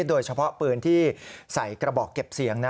โดยเฉพาะปืนที่ใส่กระบอกเก็บเสียง